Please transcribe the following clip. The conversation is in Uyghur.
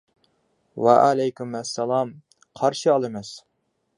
ۋەئەلەيكۇم ئەسسالام، قارشى ئالىمىز.